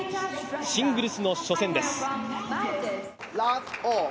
シングルスの初戦です。